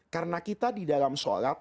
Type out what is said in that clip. karena kita di dalam sholat